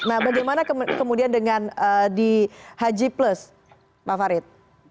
nah bagaimana kemudian dengan di haji plus pak farid